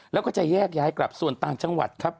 แล้วก็จะแยกย้ายกลับส่วนต่างจังหวัดครับ